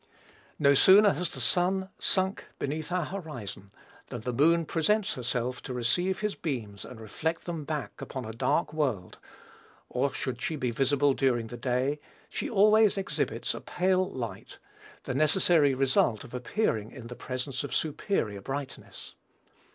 No sooner has the sun sunk beneath our horizon than the moon presents herself to receive his beams and reflect them back upon a dark world; or should she be visible during the day, she always exhibits a pale light, the necessary result of appearing in the presence of superior brightness.